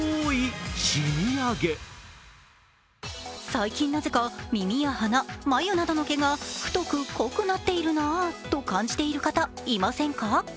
最近、なぜか耳や鼻、眉などの毛が太く、濃くなっているなと感じている方、いませんか？